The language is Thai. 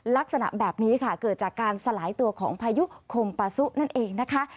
ลักษณะแบบนี้ค่ะเกิดจากการสลายตัวของพายุคมปาซุนั่นเองนะคะ